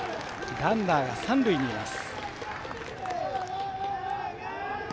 ランナーが三塁にいます。